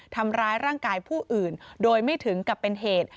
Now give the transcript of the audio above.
ทำร้ายร่างกายผู้อื่นโดยไม่ถึงกับเป็นเหตุ